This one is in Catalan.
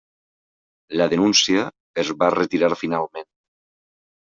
La denúncia es va retirar finalment.